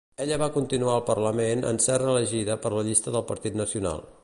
Ella va continuar al Parlament en ser reelegida per la llista del Partit Nacional.